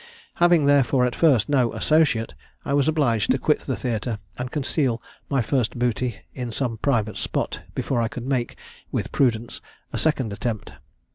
Having, therefore, at first no associate, I was obliged to quit the theatre, and conceal my first booty in some private spot, before I could make (with prudence) a second attempt.